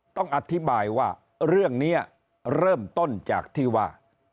ต้องอธิบายว่าเรื่องนี้เริ่มต้นจากที่ว่า